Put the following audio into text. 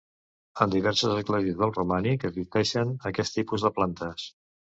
En diverses esglésies del romànic existeixen aquest tipus de plantes.